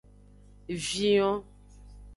Vion.